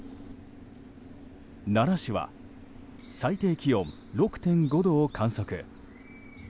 奈良市は最低気温６．５度を観測。